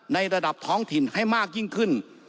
ในระดับท้องถิ่นให้มากยิ่งขึ้น